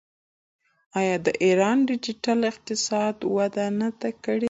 آیا د ایران ډیجیټل اقتصاد وده نه ده کړې؟